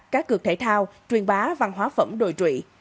các cược thể thao truyền bá văn hóa phẩm đồi trụy